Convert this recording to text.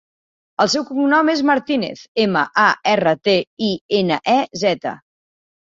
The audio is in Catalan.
El seu cognom és Martinez: ema, a, erra, te, i, ena, e, zeta.